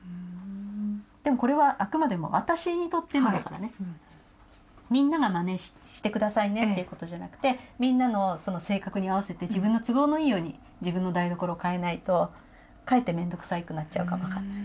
でもこれはあくまでも私にとってのだからね。みんながまねして下さいねっていうことじゃなくてみんなのその性格に合わせて自分の都合のいいように自分の台所変えないとかえってめんどくさくなっちゃうかも分かんない。